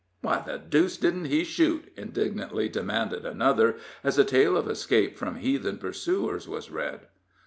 "Why the deuce didn't he shoot?" indignantly demanded another, as a tale of escape from heathen pursuers was read.